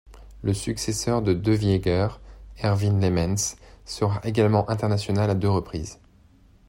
Le successeur de De Vlieger, Erwin Lemmens, sera également international à deux reprises.